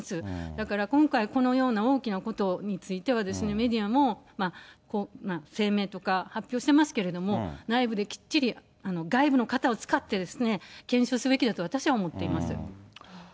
だから今回、このような大きなことについてメディアも声明とか発表してますけれども、内部できっちり、外部の方を使って、検証すべきだと私は思っています。